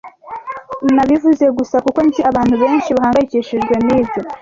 Nabivuze gusa kuko nzi abantu benshi bahangayikishijwe nibyo.